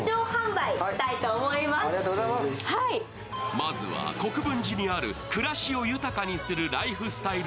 まずは国分寺にある暮らしを豊かにするライフスタイル